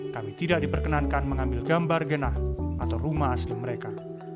kami tidak diperkenankan mengambil gambar genah atau rumah asli mereka